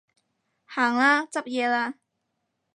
行啦，執嘢啦